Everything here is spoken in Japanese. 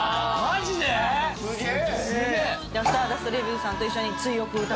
すげえ！